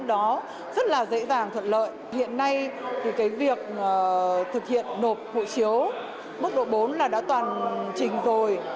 đó rất là dễ dàng thuận lợi hiện nay thì cái việc thực hiện nộp hộ chiếu mức độ bốn là đã toàn trình rồi